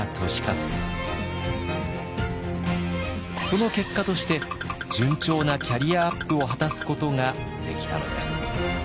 その結果として順調なキャリアアップを果たすことができたのです。